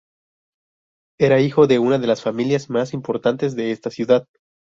Era hijo de una de las familias más importantes de esta ciudad.